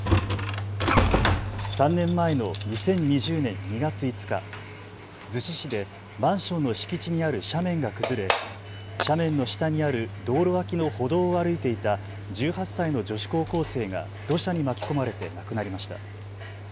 ３年前の２０２０年２月５日、逗子市でマンションの敷地にある斜面が崩れ斜面の下にある道路脇の歩道を歩いていた１８歳の女子高校生が土砂に巻き込まれて亡くなりました。